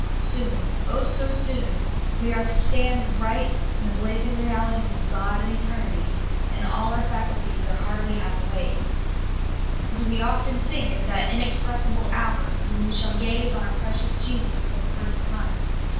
Soon — oh, so soon !— we are to stand right in the 5 66 SOUL FOOD. blazing realities of God aud eternity, and all our fac ulties are hardly half awake. Do we often think of that inexpressible hour when we shall gaze on our precious Jesus for the first time